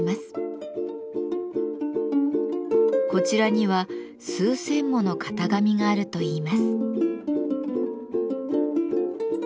こちらには数千もの型紙があるといいます。